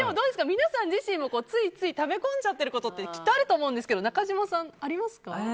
皆さん自身もついついため込んじゃってることってきっとあると思うんですけど中島さん、ありますか？